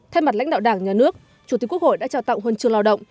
thay mặt lãnh đạo đảng nhà nước chủ tịch quốc hội đã trao tặng huân chương lao động